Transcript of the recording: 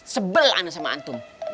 sebel ana sama antum